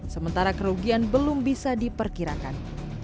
sementara kerugian belum bisa diperkirakan